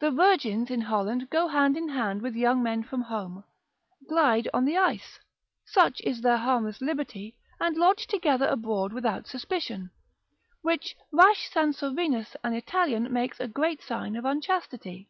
The virgins in Holland go hand in hand with young men from home, glide on the ice, such is their harmless liberty, and lodge together abroad without suspicion, which rash Sansovinus an Italian makes a great sign of unchastity.